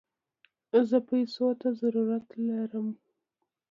زه پيسوته ضرورت لم